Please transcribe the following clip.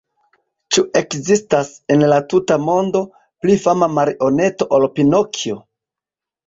Ĉu ekzistas, en la tuta mondo, pli fama marioneto ol Pinokjo?